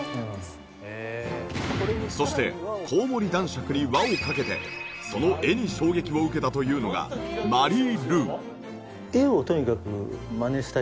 そして『こうもり男爵』に輪をかけてその絵に衝撃を受けたというのが『マリイルウ』。